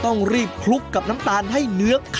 ต้องรีบคลุกกับน้ำตาลให้เนื้อ